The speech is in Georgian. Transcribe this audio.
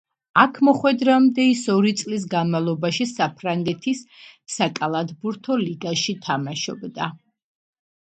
აქ მოხვედრამდე ის ორი წლის განმავლობაში საფრანგეთის საკალათბურთო ლიგაში თამაშობდა.